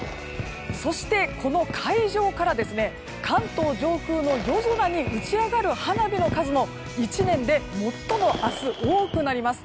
そして、この会場から関東上空の夜空に打ち上がる花火の数も１年で最も明日、多くなります。